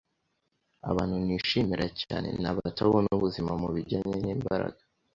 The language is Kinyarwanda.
Abantu nishimira cyane ni abatabona ubuzima mubijyanye nimbaraga.